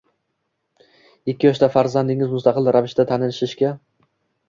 Ikki yoshda farzandingiz mustaqil ravishda tanishishga